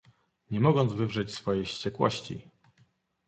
"nie mogąc wywrzeć swojej wściekłości!"